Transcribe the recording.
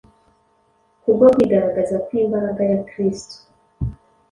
Kubwo kwigaragaza kw’imbaraga ya Kristo